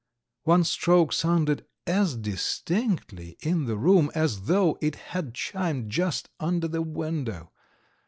One stroke sounded as distinctly in the room as though it had chimed just under the window.